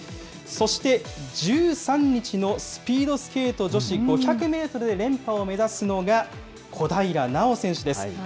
そして、１３日のスピードスケート女子５００メートルで連覇を目指すのが小平奈緒選手です。